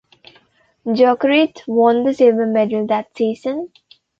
Jokerit won the silver medal that season.